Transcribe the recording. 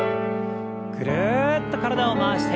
ぐるっと体を回して。